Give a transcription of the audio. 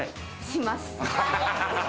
します。